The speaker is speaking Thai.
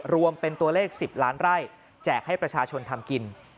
รวมเป็นตัวเลข๑๐ล้านไร่แจกให้ประชาชนทำกิน